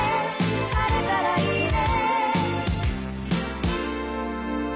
「晴れたらいいね」